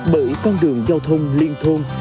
bởi con đường giao thông liên thôn